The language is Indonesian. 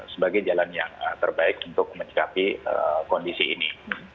sebagai jalan yang terbaik untuk mencekapi kondisi ini